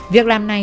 việc làm này